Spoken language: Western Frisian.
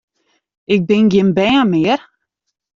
Ik bin gjin bern mear!